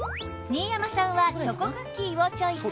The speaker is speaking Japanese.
新山さんはチョコクッキーをチョイス